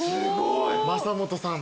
正本さん。